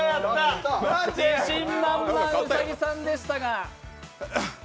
自信満々、兎さんでしたが。